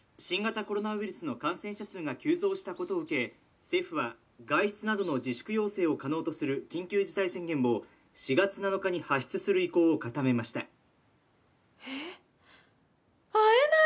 新型コロナウイルスの感染者数が急増したことを受け政府は外出などの自粛要請を可能とする緊急事態宣言を４月７日に発出する意向を固めました。